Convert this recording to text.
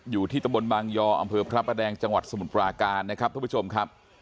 อยู่ที่ตำบลบางยออำเภอพระประแดงจังหวัดสมุทรปราการนะครับทุกผู้ชมครับ